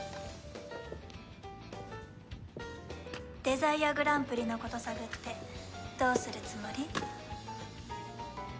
デザイアグランプリのこと探ってどうするつもり？